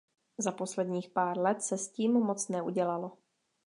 Za posledních pár let se s tím moc neudělalo.